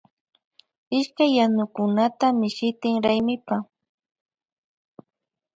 Ishkay yanukunata mishitin raymipa.